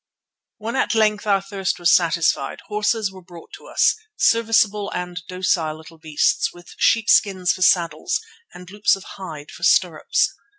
When at length our thirst was satisfied, horses were brought to us, serviceable and docile little beasts with sheepskins for saddles and loops of hide for stirrups.